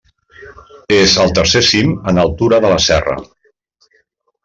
És el tercer cim en altura de la serra.